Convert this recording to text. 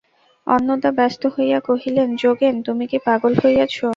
অন্নদা ব্যস্ত হইয়া কহিলেন, যোগেন, তুমি কি পাগল হইয়াছ।